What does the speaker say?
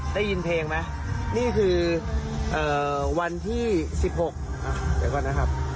ได้ยินเพลงไหมนี่คือวันที่๑๖เดี๋ยวก่อนนะครับ